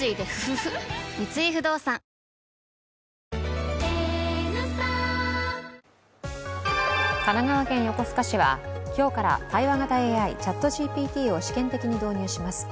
三井不動産神奈川県横須賀市は今日から対話型ＡＩ、ＣｈａｔＧＰＴを試験的に導入します。